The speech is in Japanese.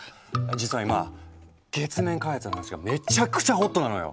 実は今月面開発の話がめちゃくちゃホットなのよ！